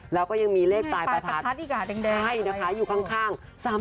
แล้วก็ยังมีเลขตายประพัทธิกาแดงอยู่ข้าง